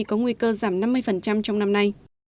có nguy cơ giảm năm mươi trong năm nay